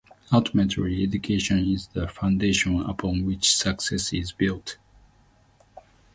Ultimately, education is the foundation upon which success is built.